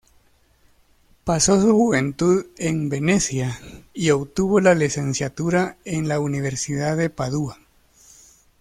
Pasó su juventud en Venecia y obtuvo la licenciatura en la Universidad de Padua.